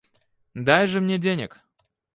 Дай же мне денег!